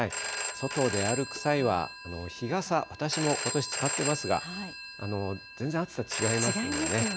外を出歩く際は、日傘、私もことし使っていますが、違いますよね。